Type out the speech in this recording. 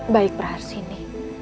baik berharus ini